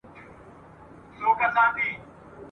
زه لار ورکی مسافر یمه روان یم !.